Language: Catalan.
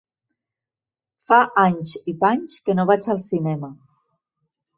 Fa anys i panys que no vaig al cinema.